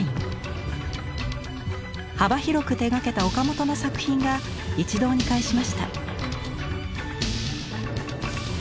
幅広く手がけた岡本の作品が一堂に会しました。